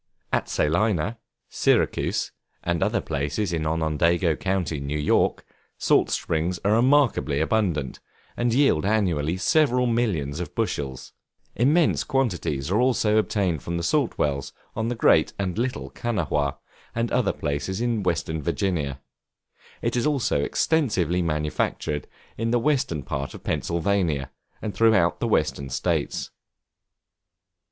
At Salina, Syracuse, and other places in Onondaga Co., New York, salt springs are remarkably abundant, and yield annually several millions of bushels; immense quantities are also obtained from the salt wells on the Great and Little Kanawha, and other places in Western Virginia; it is also extensively manufactured in the western part of Pennsylvania, and throughout the Western States.